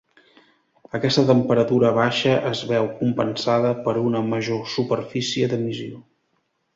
Aquesta temperatura baixa es veu compensada per una major superfície d'emissió.